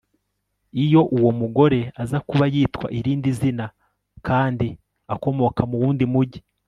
iyo uwo mugore aza kuba yitwa irindi zina kandi akomoka mu wundi mugi